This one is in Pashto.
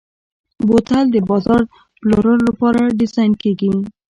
بوتل د بازار پلورلو لپاره ډیزاین کېږي.